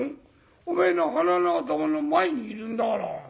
おめえの鼻の頭の前にいるんだから。